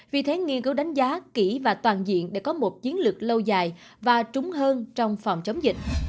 vì thế nghiên cứu đánh giá kỹ và toàn diện để có một chiến lược lâu dài và trúng hơn trong phòng chống dịch